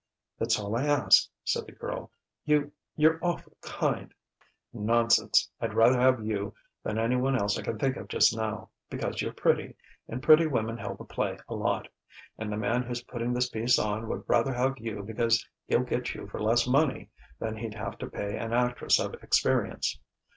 "That's all I ask," said the girl. "You you're awful' kind " "Nonsense: I'd rather have you than anyone else I can think of just now, because you're pretty, and pretty women help a play a lot; and the man who's putting this piece on would rather have you because he'll get you for less money than he'd have to pay an actress of experience.